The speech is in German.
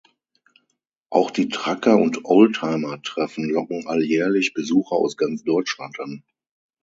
Auch die Trucker- und Oldtimer-Treffen locken alljährlich Besucher aus ganz Deutschland an.